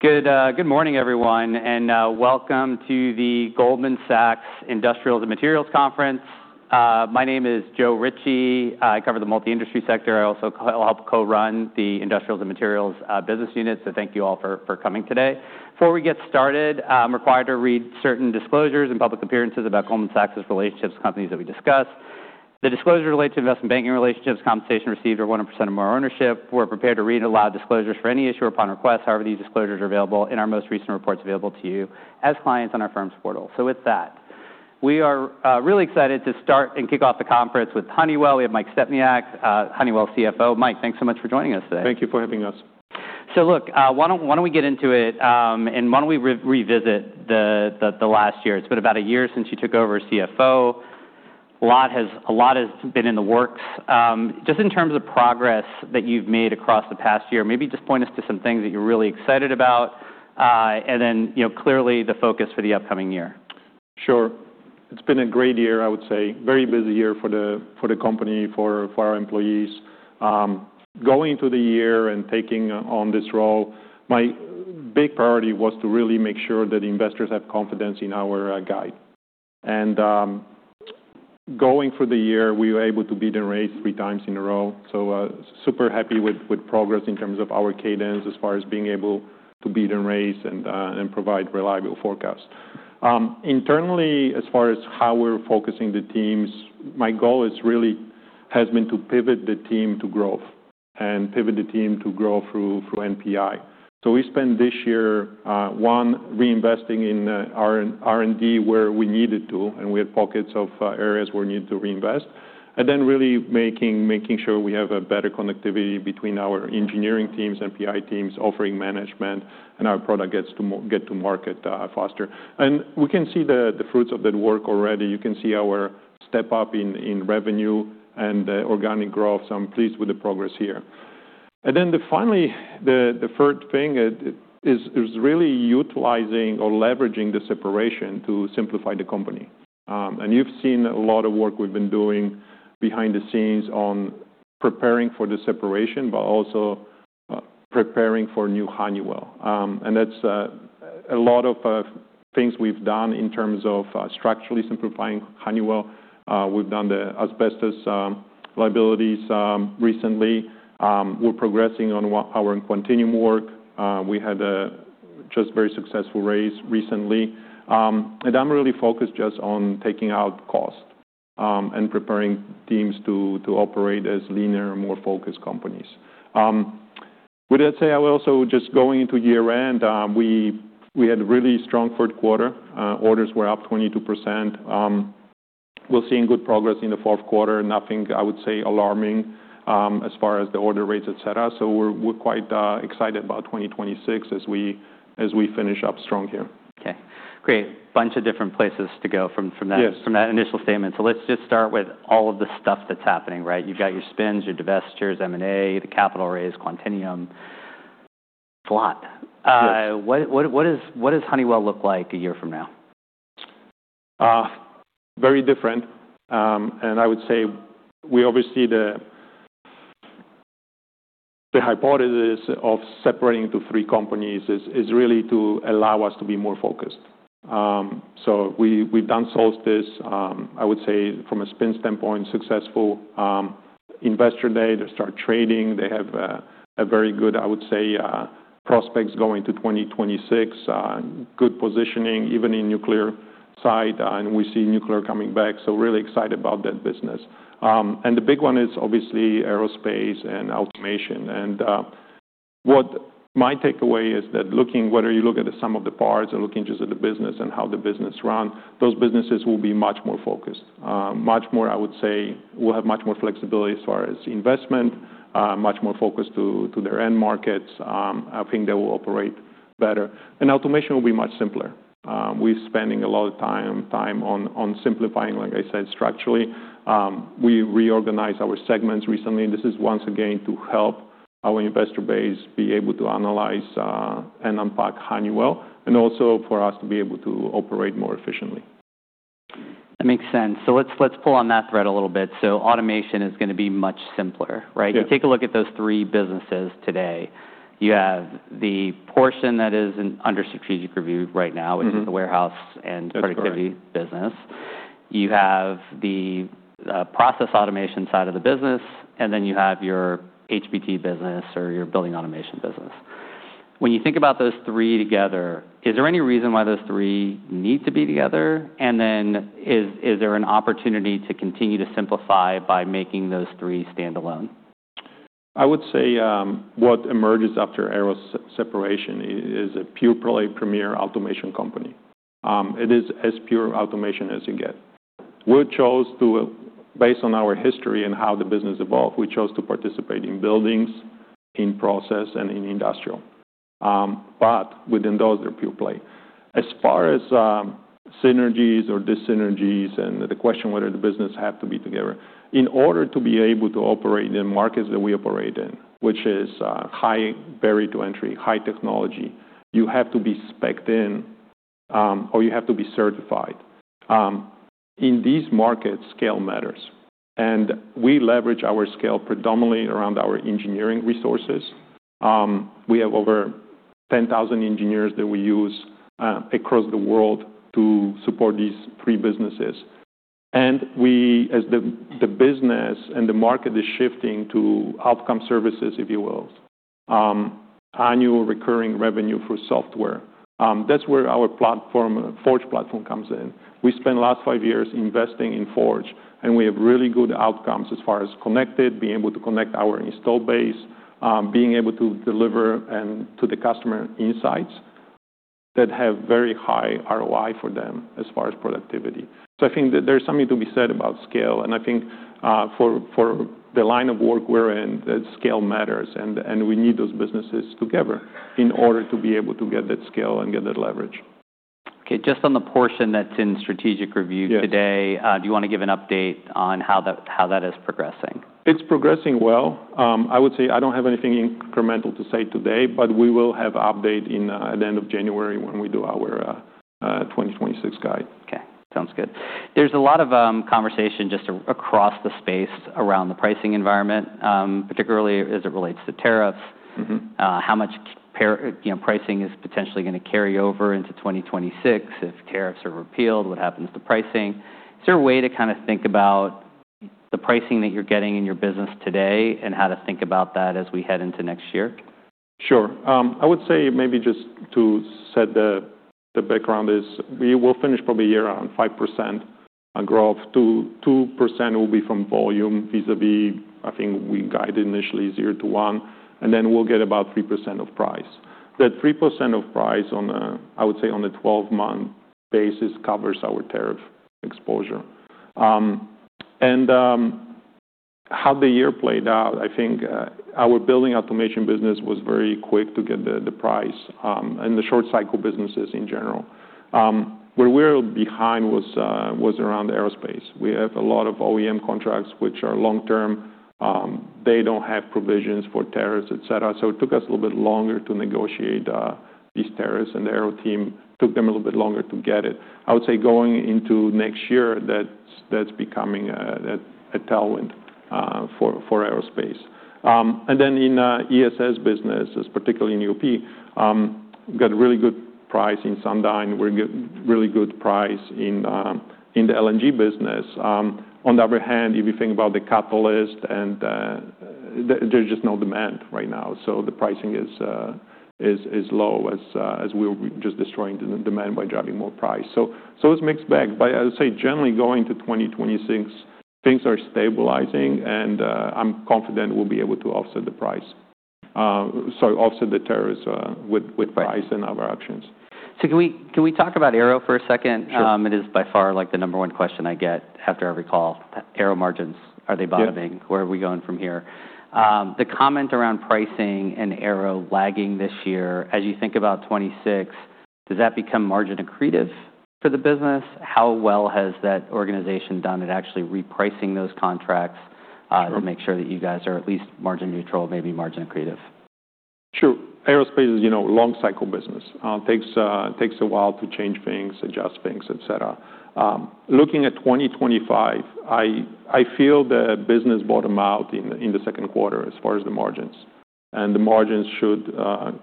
Good morning, everyone, and welcome to the Goldman Sachs industrials and materials conference. My name is Joe Ritchie. I cover the multi-industry sector. I also help co-run the industrials and materials business unit. So thank you all for coming today. Before we get started, I'm required to read certain disclosures and public appearances about Goldman Sachs' relationships with companies that we discuss. The disclosures relate to investment banking relationships, compensation received or 100% or more ownership. We're prepared to read and allow disclosures for any issue or upon request. However, these disclosures are available in our most recent reports available to you as clients on our firm's portal. So with that, we are really excited to start and kick off the conference with Honeywell. We have Mike Stepniak, Honeywell CFO. Mike, thanks so much for joining us today. Thank you for having us. So look, why don't we get into it, and why don't we revisit the last year? It's been about a year since you took over CFO. A lot has been in the works. Just in terms of progress that you've made across the past year, maybe just point us to some things that you're really excited about, and then clearly the focus for the upcoming year. Sure. It's been a great year, I would say. Very busy year for the company, for our employees. Going into the year and taking on this role, my big priority was to really make sure that investors have confidence in our guide, and going through the year, we were able to beat and raise three times in a row, so super happy with progress in terms of our cadence as far as being able to beat and raise and provide reliable forecasts. Internally, as far as how we're focusing the teams, my goal has really been to pivot the team to growth and pivot the team to growth through NPI. So we spent this year one reinvesting in R&D where we needed to, and we had pockets of areas where we needed to reinvest, and then really making sure we have a better connectivity between our engineering teams and PI teams, offering management, and our product gets to market faster. And we can see the fruits of that work already. You can see our step up in revenue and organic growth. So I'm pleased with the progress here. And then finally, the third thing is really utilizing or leveraging the separation to simplify the company. And you've seen a lot of work we've been doing behind the scenes on preparing for the separation, but also preparing for new Honeywell. And that's a lot of things we've done in terms of structurally simplifying Honeywell. We've done the asbestos liabilities recently. We're progressing on our Quantinuum. We had a very successful raise recently. And I'm really focused just on taking out cost and preparing teams to operate as leaner, more focused companies. With that said, I will also just go into year-end. We had a really strong third quarter. Orders were up 22%. We'll see good progress in the fourth quarter. Nothing, I would say, alarming as far as the order rates, et cetera. So we're quite excited about 2026 as we finish up strong here. Okay. Great. Bunch of different places to go from that initial statement. So let's just start with all of the stuff that's happening, right? You've got your spins, your divestitures, M&A, the capital raise, Quantinuum. It's a lot. What does Honeywell look like a year from now? Very different, and I would say we obviously see the hypothesis of separating into three companies is really to allow us to be more focused, so we've done Solstice, I would say, from a spin standpoint, successful. Investor day to start trading. They have a very good, I would say, prospects going to 2026. Good positioning, even in nuclear side, and we see nuclear coming back, so really excited about that business. And the big one is obviously aerospace and automation, and what my takeaway is that looking, whether you look at the sum of the parts or looking just at the business and how the business run, those businesses will be much more focused. Much more, I would say, we'll have much more flexibility as far as investment, much more focused to their end markets. I think they will operate better, and automation will be much simpler. We're spending a lot of time on simplifying, like I said, structurally. We reorganized our segments recently. This is once again to help our investor base be able to analyze and unpack Honeywell, and also for us to be able to operate more efficiently. That makes sense. So let's pull on that thread a little bit. So automation is going to be much simpler, right? If you take a look at those three businesses today, you have the portion that is under strategic review right now, which is the warehouse and productivity business. You have the process automation side of the business, and then you have your HBT business or your building automation business. When you think about those three together, is there any reason why those three need to be together? And then is there an opportunity to continue to simplify by making those three stand alone? I would say what emerges after Aerospace separation is a pure-play premier automation company. It is as pure automation as you get. We chose to, based on our history and how the business evolved, we chose to participate in buildings, in process, and in industrial. But within those, they're pure play. As far as synergies or dyssynergies, and the question whether the business have to be together, in order to be able to operate in markets that we operate in, which is high barrier to entry, high technology, you have to be specked in or you have to be certified. In these markets, scale matters, and we leverage our scale predominantly around our engineering resources. We have over 10,000 engineers that we use across the world to support these three businesses. And as the business and the market is shifting to outcome services, if you will, annual recurring revenue for software, that's where our platform, Forge platform, comes in. We spent the last five years investing in Forge, and we have really good outcomes as far as connected, being able to connect our install base, being able to deliver to the customer insights that have very high ROI for them as far as productivity. So I think there's something to be said about scale. And I think for the line of work we're in, that scale matters, and we need those businesses together in order to be able to get that scale and get that leverage. Okay. Just on the portion that's in strategic review today, do you want to give an update on how that is progressing? It's progressing well. I would say I don't have anything incremental to say today, but we will have an update at the end of January when we do our 2026 guide. Okay. Sounds good. There's a lot of conversation just across the space around the pricing environment, particularly as it relates to tariffs. How much pricing is potentially going to carry over into 2026? If tariffs are repealed, what happens to pricing? Is there a way to kind of think about the pricing that you're getting in your business today and how to think about that as we head into next year? Sure. I would say maybe just to set the background is we will finish probably a year on 5% growth. 2% will be from volume vis-à-vis, I think we guided initially 0%-1%, and then we'll get about 3% of price. That 3% of price, I would say on a 12-month basis, covers our tariff exposure. And how the year played out, I think our building automation business was very quick to get the price and the short-cycle businesses in general. Where we were behind was around aerospace. We have a lot of OEM contracts, which are long-term. They don't have provisions for tariffs, et cetera. So it took us a little bit longer to negotiate these tariffs, and the aero team took them a little bit longer to get it. I would say going into next year, that's becoming a tailwind for aerospace. Then in ESS businesses, particularly in UOP, we got a really good price in Sundyne. We're getting a really good price in the LNG business. On the other hand, if you think about the catalyst, there's just no demand right now. So the pricing is low as we're just destroying the demand by driving more price. So it's mixed bag. But I would say generally going to 2026, things are stabilizing, and I'm confident we'll be able to offset the price, sorry, offset the tariffs with price and other options. So can we talk about aero for a second? It is by far like the number one question I get after every call. Aero margins, are they bottoming? Where are we going from here? The comment around pricing and aero lagging this year, as you think about 2026, does that become margin accretive for the business? How well has that organization done at actually repricing those contracts to make sure that you guys are at least margin neutral, maybe margin accretive? Sure. Aerospace is a long-cycle business. It takes a while to change things, adjust things, et cetera. Looking at 2025, I feel the business bottomed out in the second quarter as far as the margins, and the margins should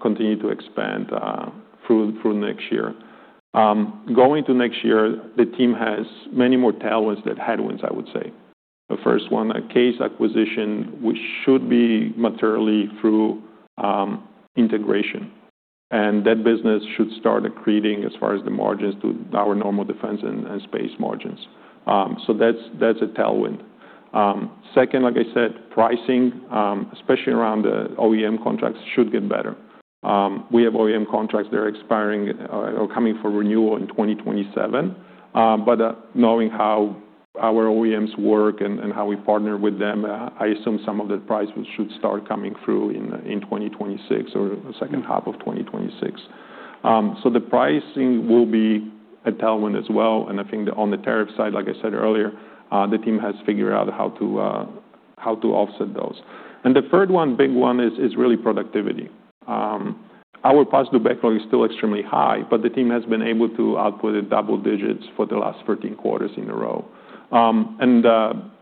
continue to expand through next year. Going to next year, the team has many more tailwinds than headwinds, I would say. The first one, CAES acquisition, which should be materially accretive through integration, and that business should start accreting as far as the margins to our normal defense and space margins, so that's a tailwind. Second, like I said, pricing, especially around the OEM contracts, should get better. We have OEM contracts that are expiring or coming for renewal in 2027, but knowing how our OEMs work and how we partner with them, I assume some of the price should start coming through in 2026 or the second half of 2026. So the pricing will be a tailwind as well. And I think on the tariff side, like I said earlier, the team has figured out how to offset those. And the third one, big one, is really productivity. Our positive backlog is still extremely high, but the team has been able to output double digits for the last 13 quarters in a row. And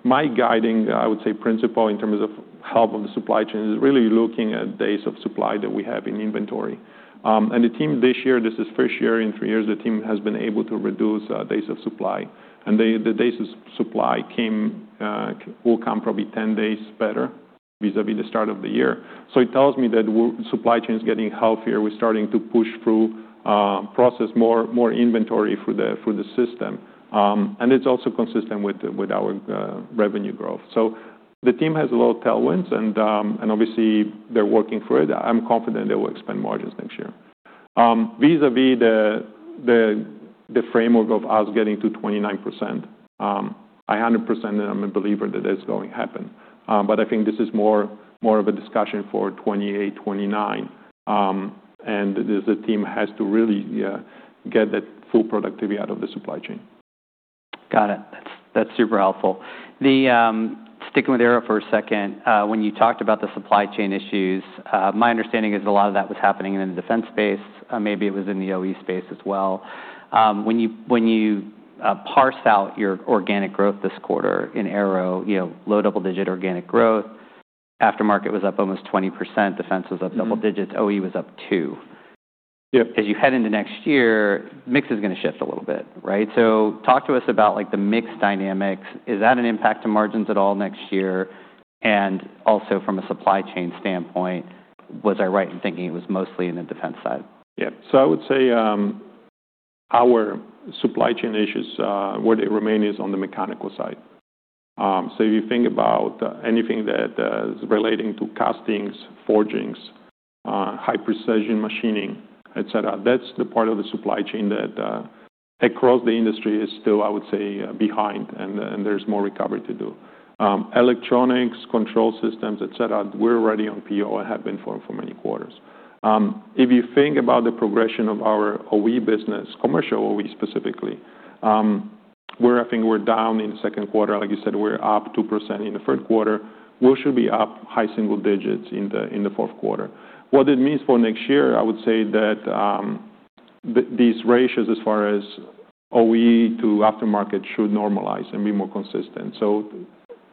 my guiding, I would say, principle in terms of health of the supply chain is really looking at days of supply that we have in inventory. And the team this year, this is first year in three years, the team has been able to reduce days of supply. And the days of supply will come probably 10 days better vis-à-vis the start of the year. So it tells me that supply chain is getting healthier. We're starting to push through, process more inventory through the system. It's also consistent with our revenue growth. So the team has a lot of tailwinds, and obviously, they're working for it. I'm confident they will expand margins next year. Vis-à-vis the framework of us getting to 29%, I'm 100% that I'm a believer that that's going to happen. But I think this is more of a discussion for 2028, 2029. The team has to really get that full productivity out of the supply chain. Got it. That's super helpful. Sticking with aero for a second, when you talked about the supply chain issues, my understanding is a lot of that was happening in the defense space. Maybe it was in the OE space as well. When you parse out your organic growth this quarter in aero, low double-digit organic growth, aftermarket was up almost 20%, defense was up double digits, OE was up 2. As you head into next year, mix is going to shift a little bit, right? So talk to us about the mix dynamics. Is that an impact to margins at all next year? And also from a supply chain standpoint, was I right in thinking it was mostly in the defense side? Yeah. So I would say our supply chain issues, where they remain, is on the mechanical side. So if you think about anything that is relating to castings, forgings, high precision machining, et cetera, that's the part of the supply chain that across the industry is still, I would say, behind, and there's more recovery to do. Electronics, control systems, et cetera, we're already on PO and have been for many quarters. If you think about the progression of our OE business, commercial OE specifically, where I think we're down in the second quarter, like you said, we're up 2% in the third quarter, we should be up high single digits in the fourth quarter. What it means for next year, I would say that these ratios as far as OE to aftermarket should normalize and be more consistent. So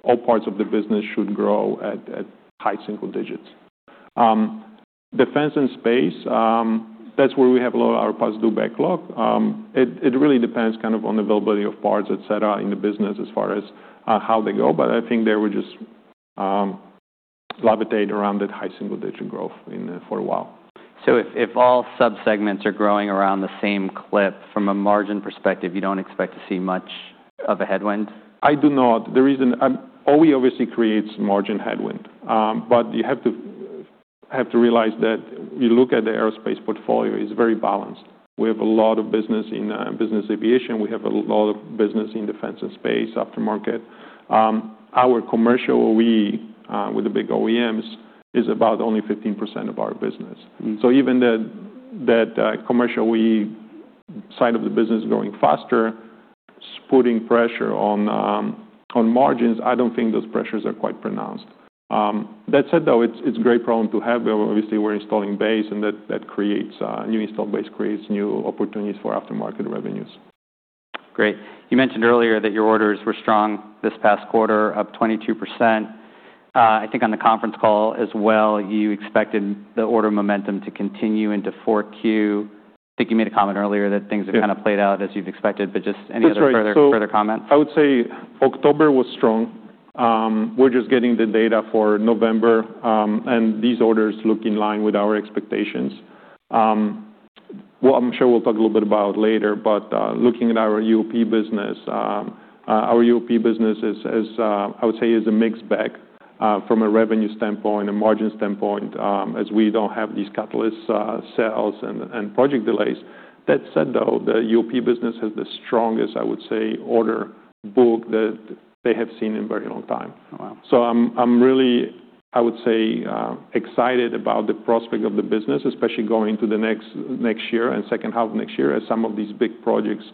all parts of the business should grow at high single digits. Defense and space, that's where we have a lot of our positive backlog. It really depends kind of on the availability of parts, et cetera, in the business as far as how they go. But I think they would just levitate around that high single digit growth for a while. So if all subsegments are growing around the same clip, from a margin perspective, you don't expect to see much of a headwind? I do not. OE obviously creates margin headwind. But you have to realize that you look at the aerospace portfolio, it's very balanced. We have a lot of business in business aviation. We have a lot of business in defense and space, aftermarket. Our commercial OE with the big OEMs is about only 15% of our business. So even that commercial OE side of the business is growing faster, putting pressure on margins, I don't think those pressures are quite pronounced. That said, though, it's a great problem to have. Obviously, we're installing base, and that creates new install base, creates new opportunities for aftermarket revenues. Great. You mentioned earlier that your orders were strong this past quarter, up 22%. I think on the conference call as well, you expected the order momentum to continue into 4Q. I think you made a comment earlier that things have kind of played out as you'd expected, but just any other further comments? I would say October was strong. We're just getting the data for November, and these orders look in line with our expectations. Well, I'm sure we'll talk a little bit about later, but looking at our UOP business, our UOP business, I would say, is a mixed bag from a revenue standpoint, a margin standpoint, as we don't have these catalyst sales and project delays. That said, though, the UOP business has the strongest, I would say, order book that they have seen in a very long time. So I'm really, I would say, excited about the prospect of the business, especially going into the next year and second half of next year as some of these big projects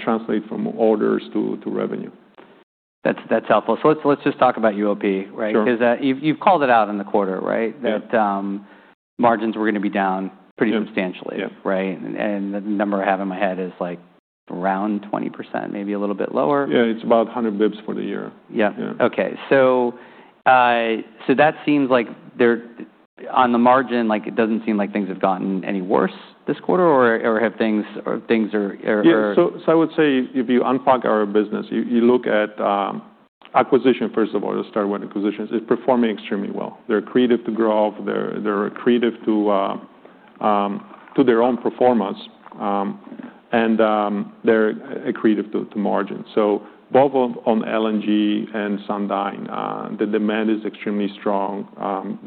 translate from orders to revenue. That's helpful. So let's just talk about UOP, right? Because you've called it out in the quarter, right, that margins were going to be down pretty substantially, right? And the number I have in my head is like around 20%, maybe a little bit lower. Yeah, it's about 100 basis points for the year. Yeah. Okay. So that seems like on the margin, it doesn't seem like things have gotten any worse this quarter, or have things? Yeah. So I would say if you unpack our business, you look at acquisitions, first of all, to start with acquisitions, is performing extremely well. They're accretive to growth. They're accretive to their own performance. And they're accretive to margin. So both on LNG and Sundyne, the demand is extremely strong.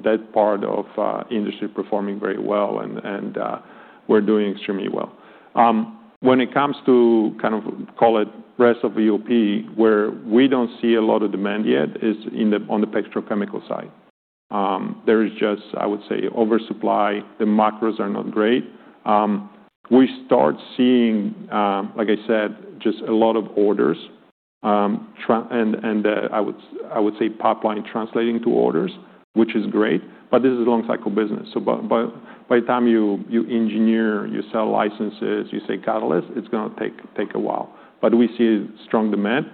That part of the industry performing very well, and we're doing extremely well. When it comes to kind of call it the rest of UOP, where we don't see a lot of demand yet is on the petrochemical side. There is just, I would say, oversupply. The macros are not great. We start seeing, like I said, just a lot of orders. And I would say the pipeline translating to orders, which is great. But this is a long-cycle business. So by the time you engineer, you sell licenses, you supply catalysts, it's going to take a while. But we see strong demand.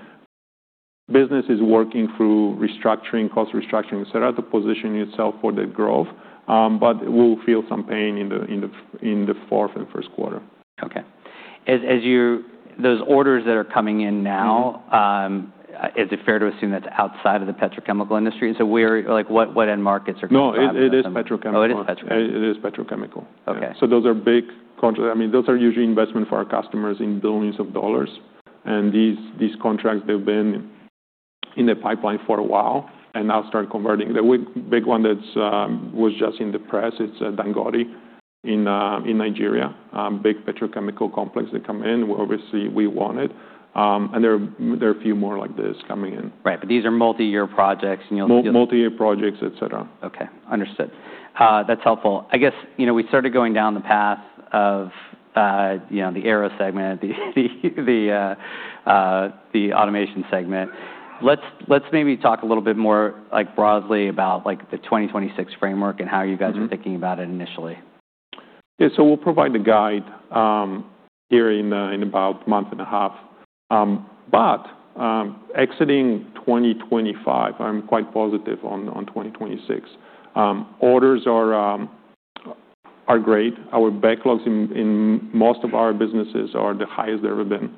Business is working through restructuring, cost restructuring, et cetera, to position itself for the growth. But we'll feel some pain in the fourth and first quarter. Okay. Those orders that are coming in now, is it fair to assume that's outside of the petrochemical industry? So what end markets are coming in? No, it is petrochemical. Oh, it is petrochemical. It is petrochemical. So those are big contracts. I mean, those are usually investments for our customers in billions of dollars. And these contracts, they've been in the pipeline for a while and now start converting. The big one that was just in the press, it's Dangote in Nigeria, big petrochemical complex that come in. We obviously won it. And there are a few more like this coming in. Right. But these are multi-year projects. Multi-year projects, et cetera. Okay. Understood. That's helpful. I guess we started going down the path of the aero segment, the automation segment. Let's maybe talk a little bit more broadly about the 2026 framework and how you guys were thinking about it initially. Yeah. So we'll provide the guide here in about a month and a half. But exiting 2025, I'm quite positive on 2026. Orders are great. Our backlogs in most of our businesses are the highest they've ever been.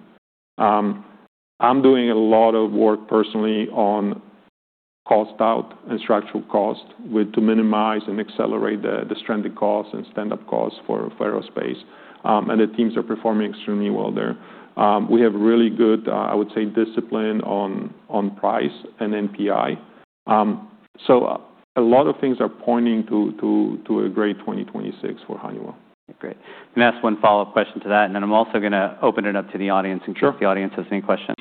I'm doing a lot of work personally on cost out and structural cost to minimize and accelerate the stranded costs and stand-up costs for aerospace. And the teams are performing extremely well there. We have really good, I would say, discipline on price and NPI. So a lot of things are pointing to a great 2026 for Honeywell. Great. And that's one follow-up question to that. And then I'm also going to open it up to the audience in case the audience has any questions.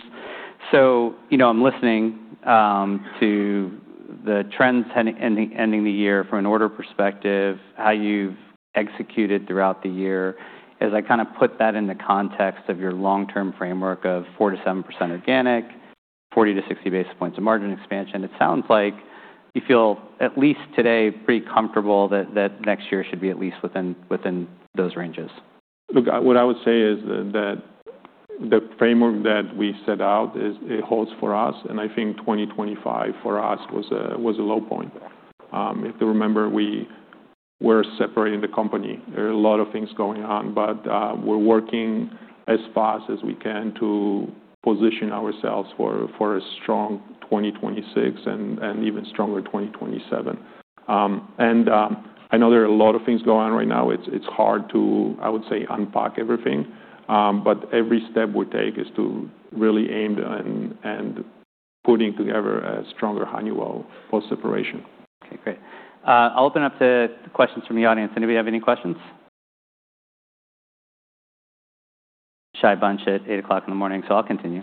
So I'm listening to the trends ending the year from an order perspective, how you've executed throughout the year. As I kind of put that in the context of your long-term framework of 4%-7% organic, 40-60 basis points of margin expansion, it sounds like you feel at least today pretty comfortable that next year should be at least within those ranges. Look, what I would say is that the framework that we set out, it holds for us, and I think 2025 for us was a low point. If you remember, we were separating the company. There are a lot of things going on, but we're working as fast as we can to position ourselves for a strong 2026 and even stronger 2027. And I know there are a lot of things going on right now. It's hard to, I would say, unpack everything. But every step we take is to really aim and putting together a stronger Honeywell for separation. Okay. Great. I'll open up to questions from the audience. Anybody have any questions? Shy bunch at 8:00 A.M., so I'll continue.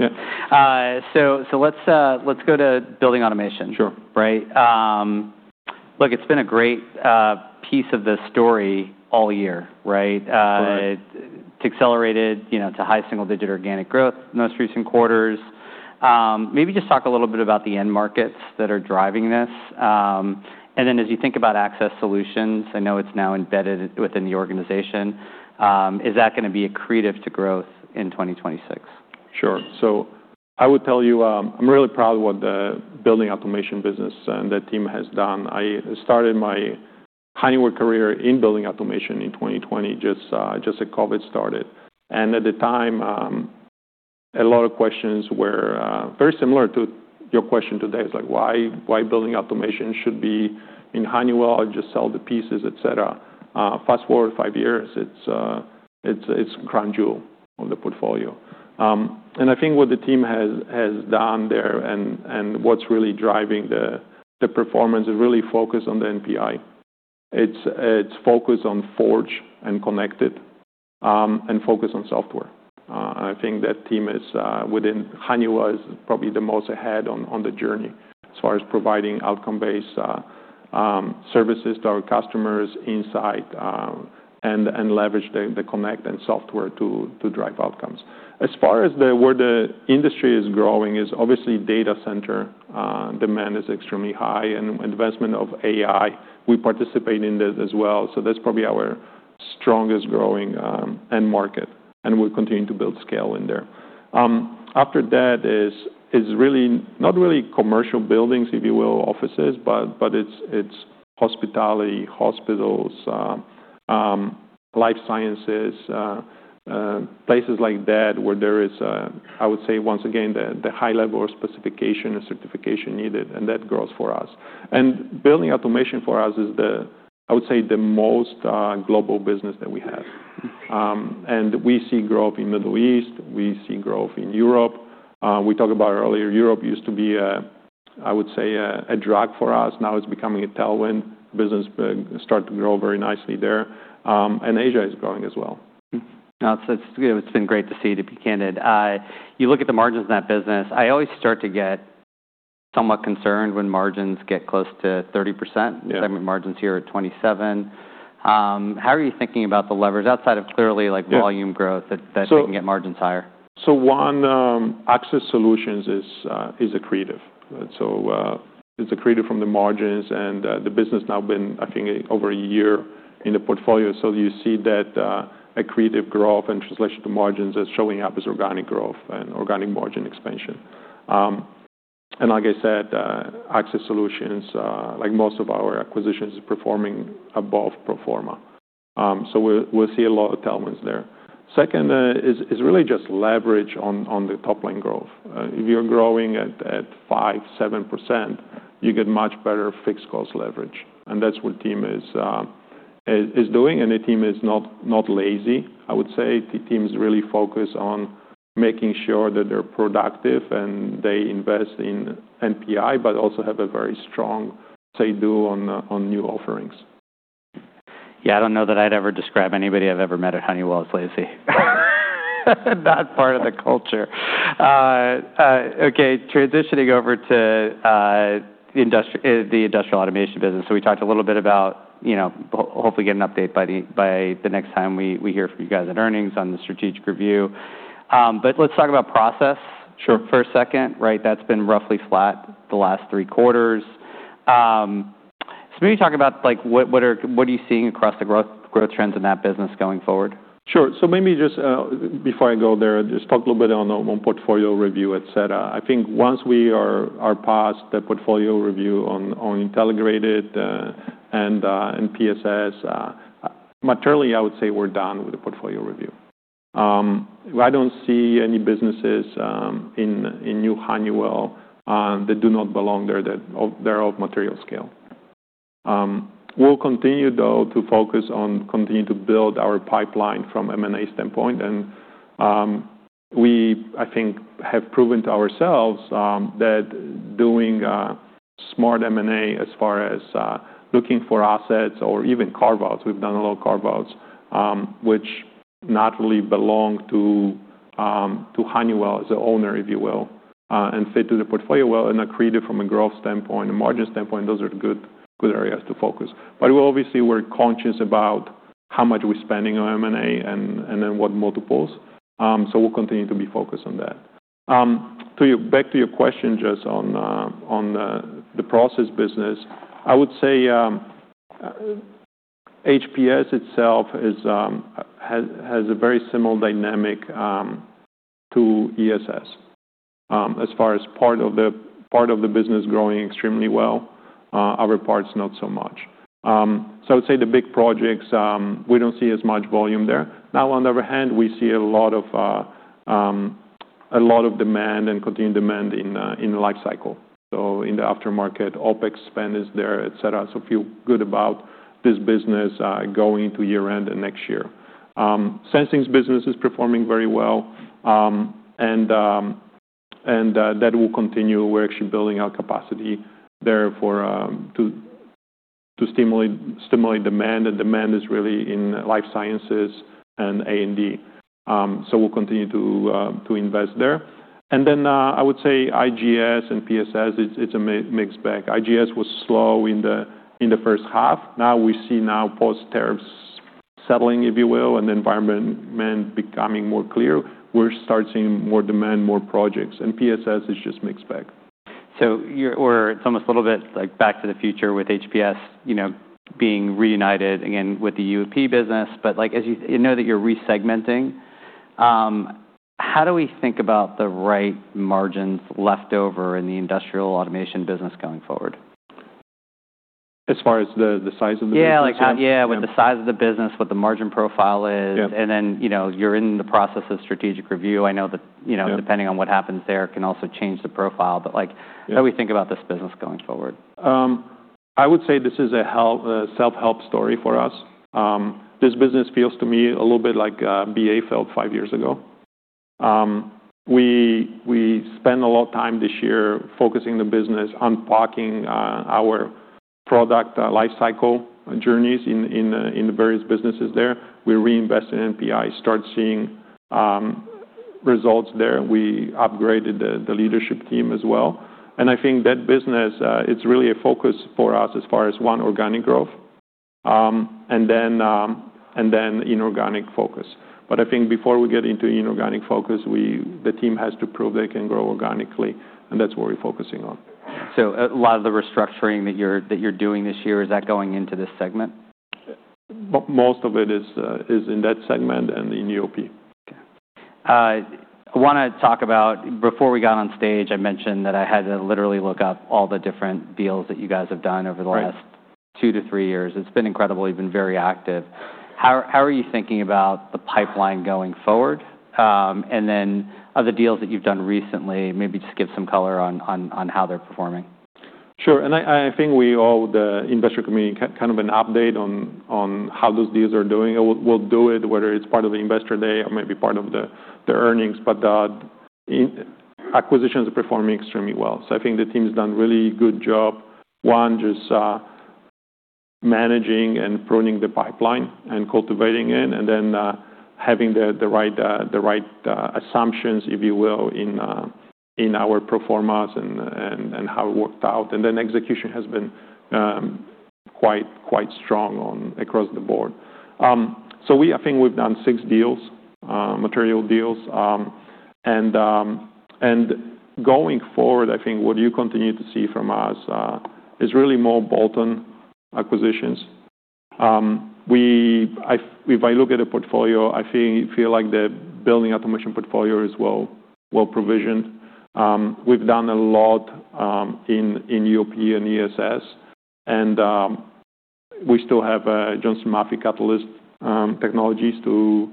So let's go to building automation. Sure. Right? Look, it's been a great piece of the story all year, right? It accelerated to high single-digit organic growth in most recent quarters. Maybe just talk a little bit about the end markets that are driving this. And then as you think about access solutions, I know it's now embedded within the organization. Is that going to be accretive to growth in 2026? Sure. So I would tell you I'm really proud of what the building automation business and that team has done. I started my Honeywell career in building automation in 2020 just as COVID started. And at the time, a lot of questions were very similar to your question today. It's like why building automation should be in Honeywell, just sell the pieces, et cetera. Fast forward five years, it's a crown jewel of the portfolio. And I think what the team has done there and what's really driving the performance is really focused on the NPI. It's focused on Forge and Connected and focused on software. I think that team within Honeywell is probably the most ahead on the journey as far as providing outcome-based services to our customers inside and leverage the Connected and software to drive outcomes. As far as where the industry is growing, it's obviously data center. Demand is extremely high and investment in AI. We participate in this as well. That's probably our strongest growing end market. We're continuing to build scale in there. After that is really not commercial buildings, if you will, offices, but it's hospitality, hospitals, life sciences, places like that where there is, I would say, once again, the high level of specification and certification needed, and that grows for us. Building automation for us is, I would say, the most global business that we have. We see growth in the Middle East. We see growth in Europe. As we talked about earlier, Europe used to be, I would say, a drag for us. Now it's becoming a tailwind. Business started to grow very nicely there. Asia is growing as well. That's good. It's been great to see it, to be candid. You look at the margins of that business. I always start to get somewhat concerned when margins get close to 30%. Segment margins here are 27%. How are you thinking about the levers outside of clearly volume growth that can get margins higher? One Access Solutions is accretive. It's accretive from the margins. The business has now been, I think, over a year in the portfolio. You see that accretive growth and translation to margins is showing up as organic growth and organic margin expansion. Like I said, Access Solutions, like most of our acquisitions, is performing above pro forma. We'll see a lot of tailwinds there. Second is really just leverage on the top-line growth. If you're growing at 5%, 7%, you get much better fixed cost leverage. That's what the team is doing. The team is not lazy, I would say. The team is really focused on making sure that they're productive and they invest in NPI, but also have a very strong say-do on new offerings. Yeah. I don't know that I'd ever describe anybody I've ever met at Honeywell as lazy. Not part of the culture. Okay. Transitioning over to the industrial automation business. So we talked a little bit about hopefully getting an update by the next time we hear from you guys on earnings on the strategic review. But let's talk about process for a second, right? That's been roughly flat the last three quarters. So maybe talk about what are you seeing across the growth trends in that business going forward? Sure. So maybe just before I go there, just talk a little bit on portfolio review, et cetera. I think once we are past the portfolio review on Intelligrated and PSS, materially, I would say we're done with the portfolio review. I don't see any businesses in new Honeywell that do not belong there. They're all material scale. We'll continue, though, to focus on continuing to build our pipeline from M&A standpoint. And we, I think, have proven to ourselves that doing smart M&A as far as looking for assets or even carve-outs. We've done a lot of carve-outs, which naturally belong to Honeywell as the owner, if you will, and fit to the portfolio well and accretive from a growth standpoint, a margin standpoint. Those are good areas to focus. But obviously, we're conscious about how much we're spending on M&A and then what multiples. So we'll continue to be focused on that. Back to your question just on the process business, I would say HPS itself has a very similar dynamic to ESS as far as part of the business growing extremely well. Other parts, not so much. So I would say the big projects, we don't see as much volume there. Now, on the other hand, we see a lot of demand and continued demand in the lifecycle. So in the aftermarket, OpEx spend is there, et cetera. So feel good about this business going into year-end and next year. Sensing business is performing very well. And that will continue. We're actually building our capacity there to stimulate demand. And demand is really in life sciences and A&D. So we'll continue to invest there. And then I would say IGS and PSS, it's a mixed bag. IGS was slow in the first half. Now we see post-terms settling, if you will, and the environment becoming more clear. We're starting more demand, more projects, and PSS is just mixed bag. It's almost a little bit like back to the future with HPS being reunited again with the UOP business. I know that you're resegmenting. How do we think about the right margins leftover in the industrial automation business going forward? As far as the size of the business? Yeah. Yeah. With the size of the business, what the margin profile is, and then you're in the process of strategic review. I know that depending on what happens there can also change the profile, but how do we think about this business going forward? I would say this is a self-help story for us. This business feels to me a little bit like BA felt five years ago. We spent a lot of time this year focusing the business on parking our product lifecycle journeys in the various businesses there. We reinvested in NPI, started seeing results there. We upgraded the leadership team as well, and I think that business, it's really a focus for us as far as one organic growth and then inorganic focus. But I think before we get into inorganic focus, the team has to prove they can grow organically, and that's what we're focusing on. So a lot of the restructuring that you're doing this year, is that going into this segment? Most of it is in that segment and in UOP. Okay. I want to talk about, before we got on stage, I mentioned that I had to literally look up all the different deals that you guys have done over the last two to three years. It's been incredible. You've been very active. How are you thinking about the pipeline going forward? And then of the deals that you've done recently, maybe just give some color on how they're performing. Sure. And I think we all, the investor community, kind of an update on how those deals are doing. We'll do it, whether it's part of the investor day or maybe part of the earnings, but acquisitions are performing extremely well, so I think the team's done a really good job, one, just managing and pruning the pipeline and cultivating it, and then having the right assumptions, if you will, in our pro formas and how it worked out, and then execution has been quite strong across the board, so I think we've done six deals, material deals, and going forward, I think what you continue to see from us is really more bolt-on acquisitions. If I look at the portfolio, I feel like the building automation portfolio is well provisioned. We've done a lot in UOP and ESS, and we still have Johnson Matthey Catalyst Technologies to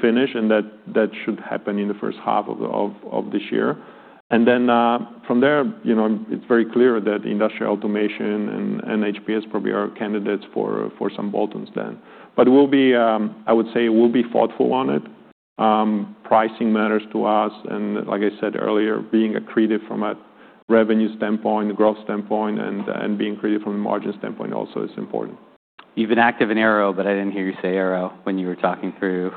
finish. That should happen in the first half of this year. Then from there, it is very clear that industrial automation and HPS probably are candidates for some bolt-ons. But I would say we will be thoughtful on it. Pricing matters to us. And like I said earlier, being accretive from a revenue standpoint, a growth standpoint, and being accretive from a margin standpoint also is important. You've been active in Aero, but I didn't hear you say Aero when you were talking through.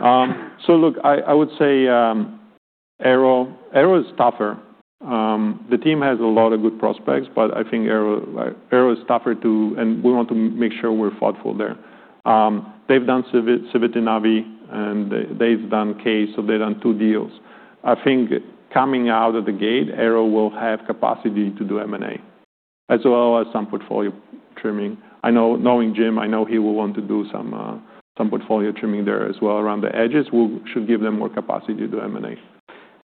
So look, I would say Aero is tougher. The team has a lot of good prospects, but I think Aero is tougher too, and we want to make sure we're thoughtful there. They've done Civitanavi, and they've done CAES. So they've done two deals. I think coming out of the gate, Aero will have capacity to do M&A as well as some portfolio trimming. Knowing Jim, I know he will want to do some portfolio trimming there as well around the edges. We should give them more capacity to do M&A.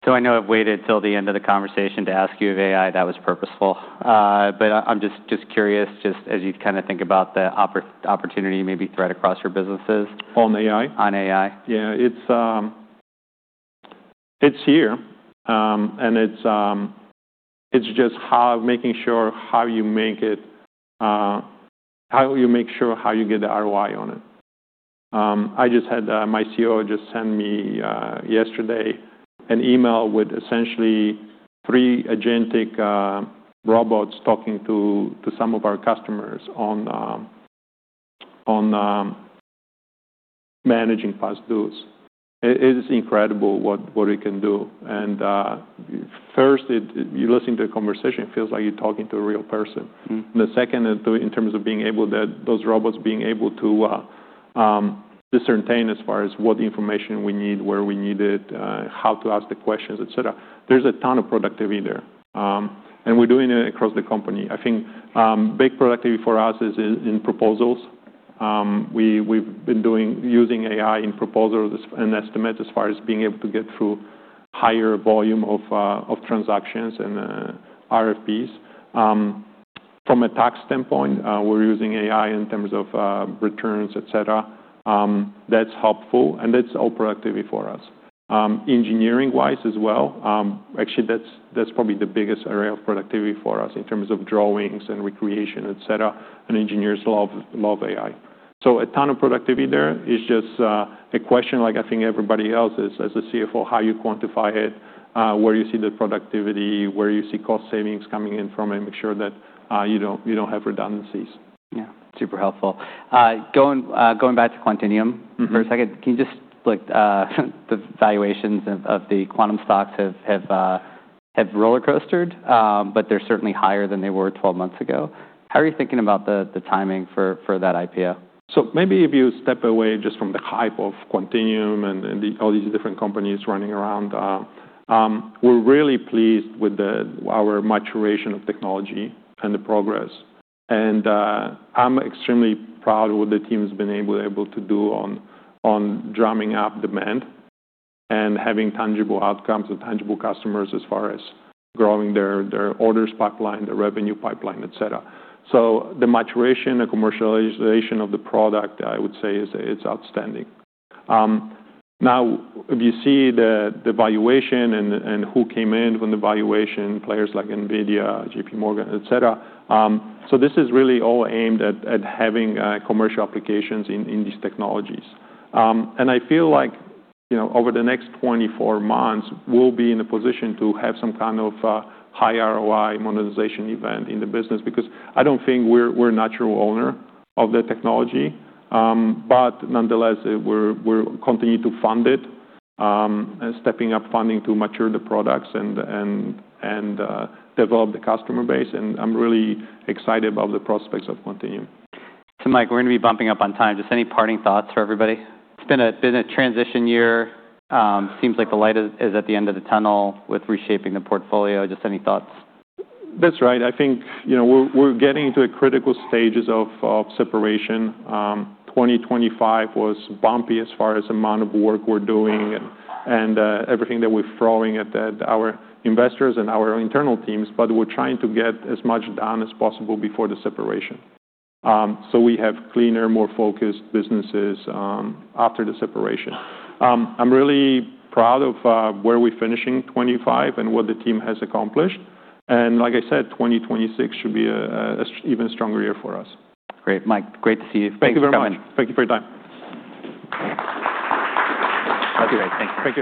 So, I know I've waited till the end of the conversation to ask you if AI, that was purposeful. But I'm just curious, just as you kind of think about the opportunity maybe thread across your businesses. On AI? On AI. Yeah. It's here, and it's just making sure how you make it, how you make sure how you get the ROI on it. I just had my [CFO] send me yesterday an email with essentially three agentic robots talking to some of our customers on managing past dues. It is incredible what it can do. First, you listen to a conversation; it feels like you're talking to a real person. The second, in terms of those robots being able to discern as far as what information we need, where we need it, how to ask the questions, et cetera. There's a ton of productivity there. We're doing it across the company. I think big productivity for us is in proposals. We've been using AI in proposals and estimates as far as being able to get through higher volume of transactions and RFPs. From a tax standpoint, we're using AI in terms of returns, et cetera. That's helpful. And that's all productivity for us. Engineering-wise as well, actually, that's probably the biggest area of productivity for us in terms of drawings and recreation, et cetera. And engineers love AI. So a ton of productivity there. It's just a question, like I think everybody else is, as a CFO, how you quantify it, where you see the productivity, where you see cost savings coming in from it, make sure that you don't have redundancies. Yeah. Super helpful. Going back to Quantinuum for a second, can you just look at the valuations of the quantum stocks have rollercoastered, but they're certainly higher than they were 12 months ago. How are you thinking about the timing for that IPO? So maybe if you step away just from the hype of Quantinuum and all these different companies running around, we're really pleased with our maturation of technology and the progress. And I'm extremely proud of what the team has been able to do on drumming up demand and having tangible outcomes and tangible customers as far as growing their orders pipeline, their revenue pipeline, et cetera. So the maturation and commercialization of the product, I would say, is outstanding. Now, if you see the valuation and who came in from the valuation, players like NVIDIA, J.P. Morgan, et cetera. So this is really all aimed at having commercial applications in these technologies. And I feel like over the next 24 months, we'll be in a position to have some kind of high ROI monetization event in the business because I don't think we're a natural owner of the technology. But nonetheless, we're continuing to fund it and stepping up funding to mature the products and develop the customer base. And I'm really excited about the prospects of Quantinuum. So Mike, we're going to be bumping up on time. Just any parting thoughts for everybody? It's been a transition year. Seems like the light is at the end of the tunnel with reshaping the portfolio. Just any thoughts? That's right. I think we're getting into the critical stages of separation. 2025 was bumpy as far as the amount of work we're doing and everything that we're throwing at our investors and our internal teams. But we're trying to get as much done as possible before the separation. So we have cleaner, more focused businesses after the separation. I'm really proud of where we're finishing '25 and what the team has accomplished. And like I said, 2026 should be an even stronger year for us. Great. Mike, great to see you. Thanks for coming. Thank you very much. Thank you for your time. Okay. That's great. Thank you.